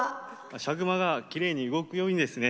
赤熊がきれいに動くようにですね